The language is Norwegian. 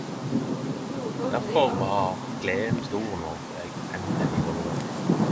Difor var gleda stor når eg endeleg kom i gang.